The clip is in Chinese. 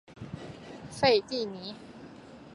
费蒂尼。